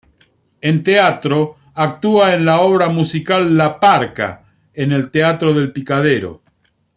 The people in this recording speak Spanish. En teatro actúa en la obra musical "La parka" en el Teatro del Picadero.